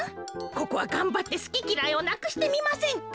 ここはがんばってすききらいをなくしてみませんか。